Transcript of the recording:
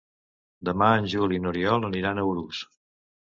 Demà en Juli i n'Oriol aniran a Urús.